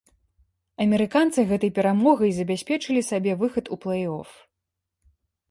Амерыканцы гэтай перамогай забяспечылі сабе выхад у плэй-оф.